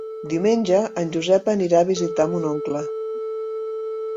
Diumenge en Josep anirà a visitar mon oncle.